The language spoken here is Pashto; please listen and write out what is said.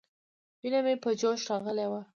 وينه مې په جوش راغلې وه.